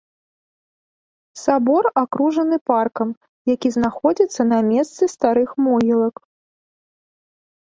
Сабор акружана паркам, які знаходзіцца на месцы старых могілак.